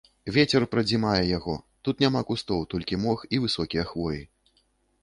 Вецер прадзімае яго, тут няма кустоў, толькі мох і высокія хвоі.